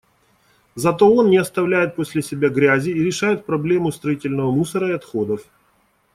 Зато он не оставляет после себя грязи и решает проблему строительного мусора и отходов.